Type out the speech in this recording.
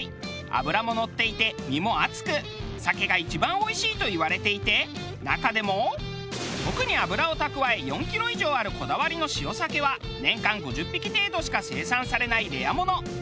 脂も乗っていて身も厚く鮭が一番おいしいといわれていて中でも特に脂を蓄え４キロ以上あるこだわりの塩鮭は年間５０匹程度しか生産されないレアもの。